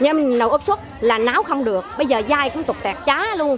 nhưng mà nồi áp suất là náo không được bây giờ dai cũng tục tẹt trá luôn